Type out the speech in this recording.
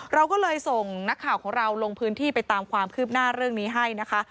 เราก็เลยส่งนักข่าวของเราลงพื้นที่ไปตามความคืบหน้าเรื่องนี้ให้นะคะ